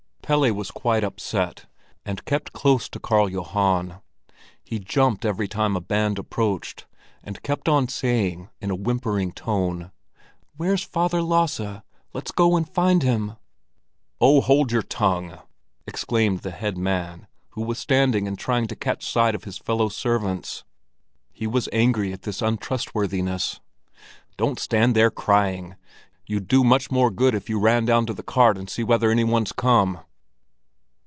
Pelle was quite upset, and kept close to Karl Johan; he jumped every time a band approached, and kept on saying in a whimpering tone: "Where's Father Lasse? Let's go and find him." "Oh, hold your tongue!" exclaimed the head man, who was standing and trying to catch sight of his fellow servants. He was angry at this untrustworthiness. "Don't stand there crying! You'd do much more good if you ran down to the cart and see whether any one's come."